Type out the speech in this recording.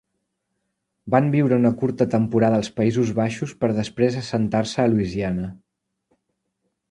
Van viure una curta temporada als Països Baixos per després assentar-se a Louisiana.